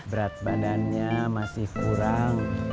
berat badannya masih kurang